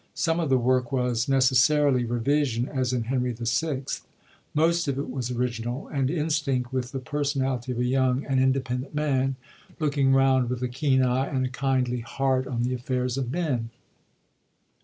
Some of the work was, neces sarily, revision, as in Henry VL Most of it was original, and instinct with the personality of a young and 86 REVIEW OF THE FIRST PERIOD independent man, looking round with a keen eye and a kindly heart on the affairs of men.